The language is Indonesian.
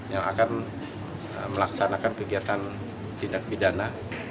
yang akan melaksanakan kegiatan tindak pidana